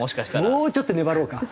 もうちょっと粘ろうか。